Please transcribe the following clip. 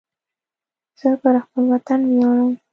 زه پر خپل وطن ویاړم